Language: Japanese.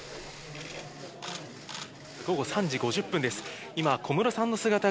午後３時５０分です。